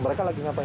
mereka lagi ngapain